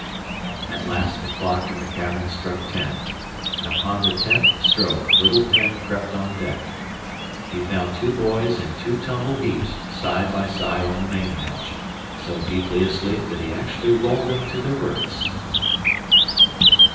At last the clock in the cabin struck ten, and upon the tenth stroke little Penn crept on deck. He found two boys in two tumbled heaps side by side on the main hatch, so deeply asleep that he actually rolled them to their berths.